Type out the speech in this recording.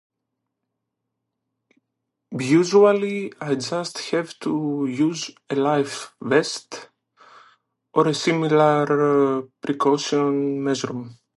Usually, I just have to use a life vest or a similar precaution measure.